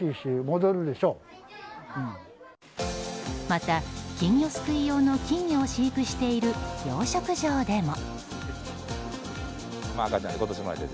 また、金魚すくい用の金魚を飼育している養殖場でも。